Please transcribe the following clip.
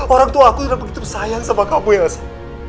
orangtuaku sudah begitu bersayang sama kamu ya elsa